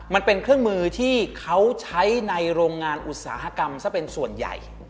มันเป็นเครื่องมือที่เขาใช้ในโรงงานอุตสาหกรรมซะเป็นส่วนใหญ่